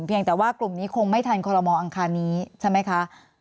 แต่ว่ากลุ่มนี้คงไม่ทันคอลโมอังคารนี้ใช่ไหมคะ